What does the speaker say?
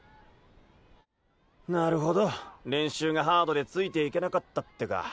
なるほど練習がハードでついていけなかったってか。